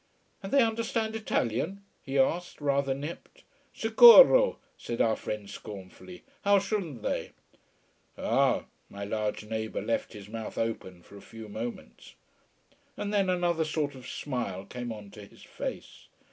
"And they understand Italian?" he asked, rather nipped. "Sicuro!" said our friend scornfully. "How shouldn't they?" "Ah!" My large neighbour left his mouth open for a few moments. And then another sort of smile came on to his face.